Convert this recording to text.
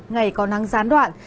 ngày có nắng gián đoạn